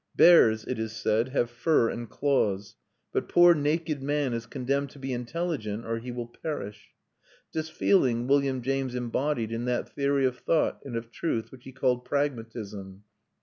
Bears, it is said, have fur and claws, but poor naked man is condemned to be intelligent, or he will perish. This feeling William James embodied in that theory of thought and of truth which he called pragmatism.